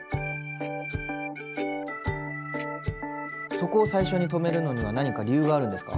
そこを最初に留めるのには何か理由があるんですか？